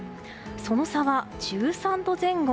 その差は１３度前後。